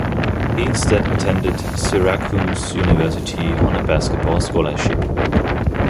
He instead attended Syracuse University on a basketball scholarship.